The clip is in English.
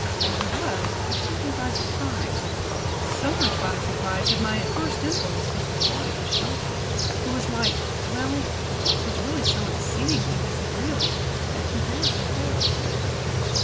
As it was, it took me by surprise, so much by surprise that my first impulse was to fly for shelter. It was like well, the taste was really so exceedingly disagreeable that comparison fails me.